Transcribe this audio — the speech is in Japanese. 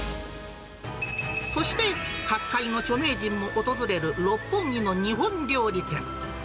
そして、各界の著名人も訪れる六本木の日本料理店。